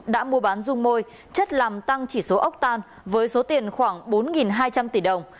đã mua bán rung môi chất làm tăng chỉ số ốc tan với số tiền khoảng bốn hai trăm linh tỷ đồng